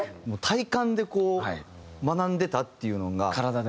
体感でこう学んでたっていうのが。